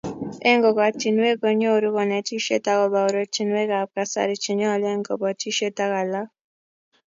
Eng kokwatinwek konyoru konetisiet agobo ortinwekab kasari chenyolu eng kobotisiet ak alak